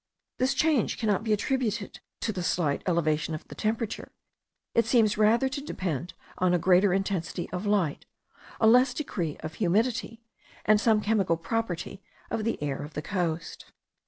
This change cannot be attributed to the slight elevation of the temperature; it seems rather to depend on a greater intensity of light, a less degree of humidity, and some chemical property of the air of the coast.